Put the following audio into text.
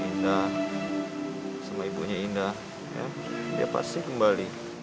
indah sama ibunya indah dia pasti kembali